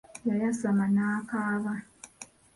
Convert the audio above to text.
Yayasama n'akaaba.